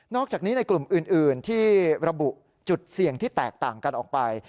อกจากนี้ในกลุ่มอื่นที่ระบุจุดเสี่ยงที่แตกต่างกันออกไป